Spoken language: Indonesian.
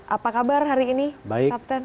apa kabar hari ini pak kapten